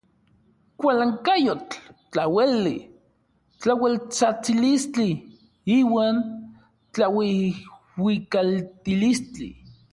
Kualankayotl, tlaueli, tlaueltsajtsilistli iuan tlauijuikaltilistli.